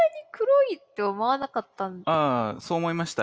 そう思いました？